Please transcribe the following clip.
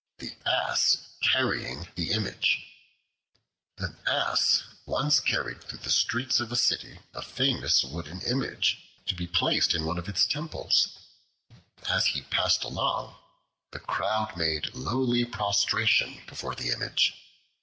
The Ass Carrying the Image AN ASS once carried through the streets of a city a famous wooden Image, to be placed in one of its Temples. As he passed along, the crowd made lowly prostration before the Image.